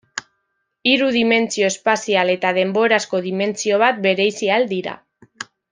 Hiru dimentsio espazial eta denborazko dimentsio bat bereizi ahal dira.